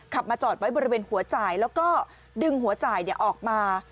มาจอดไว้บริเวณหัวจ่ายแล้วก็ดึงหัวจ่ายออกมา